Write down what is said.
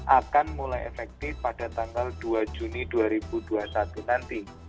akan mulai efektif pada tanggal dua juni dua ribu dua puluh satu nanti